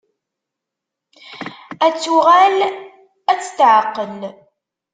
Ad tuɣal ad tetεeqqel.